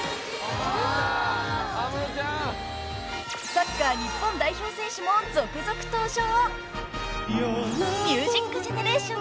サッカー日本代表選手も続々登場。